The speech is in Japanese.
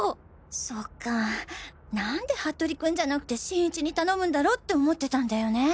そっか何で服部君じゃなくて新一に頼むんだろって思ってたんだよね。